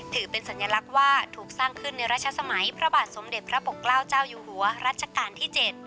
ถือเป็นสัญลักษณ์ว่าถูกสร้างขึ้นในรัชสมัยพระบาทสมเด็จพระปกเกล้าเจ้าอยู่หัวรัชกาลที่๗